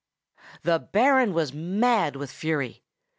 The Baron was mad with fury.